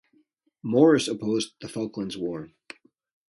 Morris opposed the Falklands War.